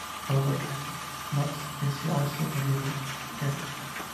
Bishop Robert Bent Knox is also buried there.